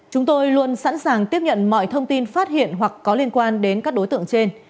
chúng tôi luôn sẵn sàng tiếp nhận mọi thông tin phát hiện hoặc có liên quan đến các đối tượng trên